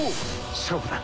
勝負だ。